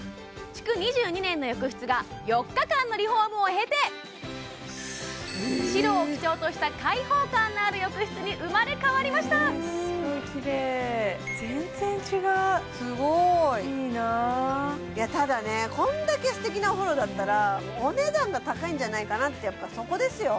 築２２年の浴室が４日間のリフォームを経て白を基調とした開放感のある浴室に生まれ変わりましたすごいきれい全然違うすごいいいなただねこんだけ素敵なお風呂だったらお値段が高いんじゃないかなってやっぱそこですよ